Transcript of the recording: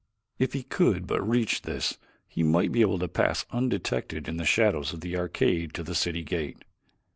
If he could reach this he might be able to pass undetected in the shadows of the arcade to the city gate.